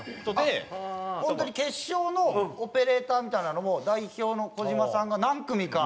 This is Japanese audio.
本当に決勝のオペレーターみたいなのも代表の児島さんが何組か。